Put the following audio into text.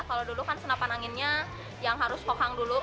kalau dulu kan senapan anginnya yang harus pohang dulu